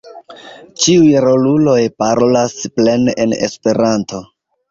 Ĉiuj roluloj parolas plene en Esperanto.